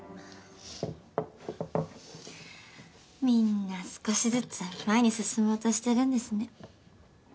みんな少しずつ前に進もうとしてるんですね。